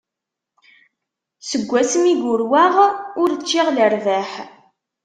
Seg wasmi i yurweɣ, ur ččiɣ lerbaḥ.